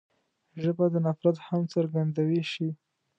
ژبه د نفرت هم څرګندوی شي